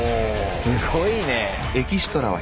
すごいね。